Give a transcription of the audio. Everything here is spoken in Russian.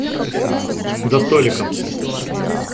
За столиком.